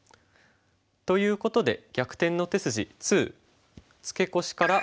ということで「逆転の手筋２」。